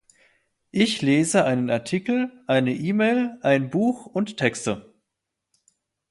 Ich lese einen Artikel, eine E-Mail, ein Buch und Texte.